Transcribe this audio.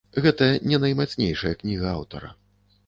Гэта не наймацнейшая кніга аўтара.